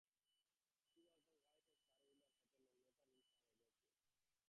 She was the wife of Sir William Hatton and later of Sir Edward Coke.